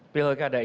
pilih perkara ini